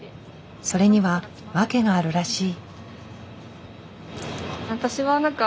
それには訳があるらしい。